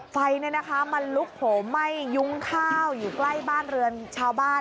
ไฟมันลุกโหมไหม้ยุ้งข้าวอยู่ใกล้บ้านเรือนชาวบ้าน